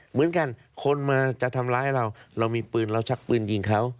เหมือนกันคนมาจะทำร้ายเราเรามีปืนเราชักปืนยิงเขา